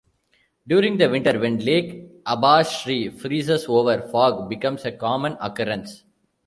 During the winter, when Lake Abashiri freezes over, fog becomes a common occurrence.